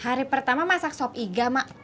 hari pertama masak sop iga mak